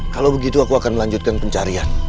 kalau begitu aku akan melanjutkan pencarian